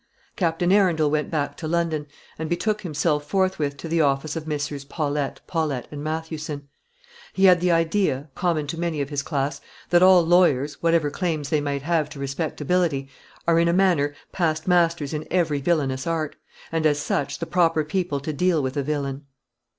Captain Arundel went back to London, and betook himself forthwith to the office of Messrs. Paulette, Paulette, and Mathewson. He had the idea, common to many of his class, that all lawyers, whatever claims they might have to respectability, are in a manner past masters in every villanous art; and, as such, the proper people to deal with a villain.